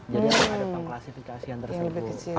jadi ada pengklasifikasi yang tersebut